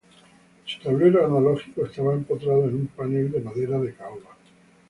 Su tablero analógico estaba empotrado en un panel de madera de caoba.